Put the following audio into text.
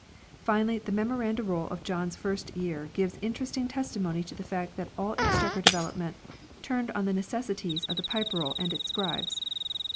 2 Finally, the Memoranda Roll of John's first year gives interesting testimony to the fact that all Ex chequer development turned on the necessities of the Pipe Roll and its scribes.